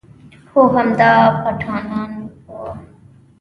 خو همدا پټانان و.